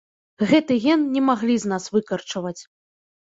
Гэты ген не маглі з нас выкарчаваць.